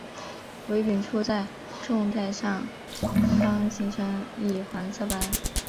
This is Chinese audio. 尾柄处在纵带上方形成一黄色斑。